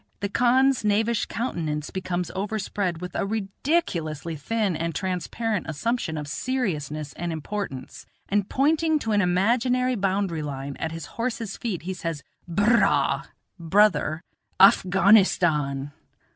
the khan's knavish countenance becomes overspread with a ridiculously thin and transparent assumption of seriousness and importance, and pointing to an imaginary boundary line at his horse's feet he says: "Bur raa (brother), Afghanistan."